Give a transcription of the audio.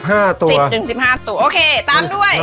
๑๐ถึง๑๕ตัวตามด้วย